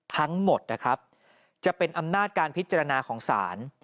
ทั้งหมดจะเป็นอำนาจการพิจารณาของสาร